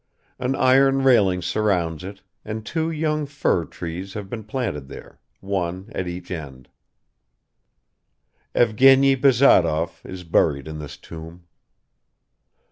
An iron railing surrounds it and two young fir trees have been planted there, one at each end; Evgeny Bazarov is buried in this tomb.